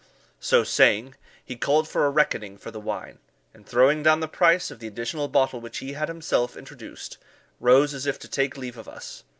So saying, he called for a reckoning for the wine, and throwing down the price of the additional bottle which he had himself introduced, rose as if to take leave of us.